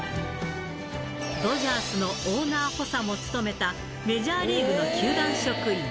ドジャースのオーナー補佐も務めたメジャーリーグの球団職員。